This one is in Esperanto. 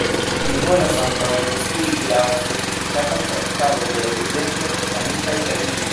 Mi volas ankaŭ ĝustigi la ofte kritikatan traktadon de ekzemple botanikaj terminoj.